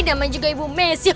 damai juga ibu mesi